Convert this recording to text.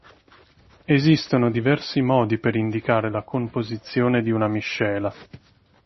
Esistono diversi modi per indicare la composizione di una miscela.